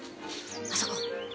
あそこ